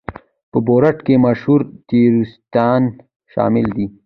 په بورډ کې مشهور تیوریستان شامل دي.